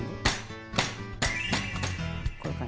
こういう感じ。